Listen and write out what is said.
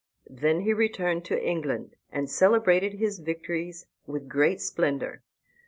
He then returned into England, and celebrated his victories with great splendor.